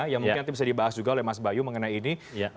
yang mungkin nanti bisa dibahas juga oleh mas bayu mengenai ini